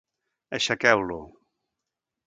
Aixequeu-lo.